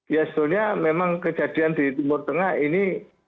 ya sebetulnya memang kejadian di timur tengah ini